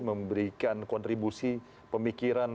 memberikan kontribusi pemikiran